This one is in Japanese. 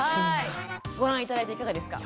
ご覧頂いていかがですか？